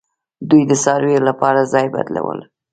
دوی د څارویو لپاره ځای بدلولو